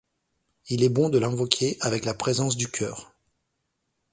Il est bon de l’invoquer avec la présence du cœur.